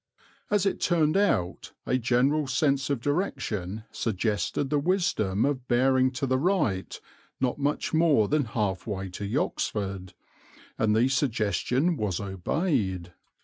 As it turned out a general sense of direction suggested the wisdom of bearing to the right, not much more than half way to Yoxford, and the suggestion was obeyed.